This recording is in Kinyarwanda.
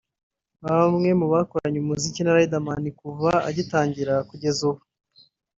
bamwe mu bakoranye umuziki na Riderman kuva agitangira kugeza ubu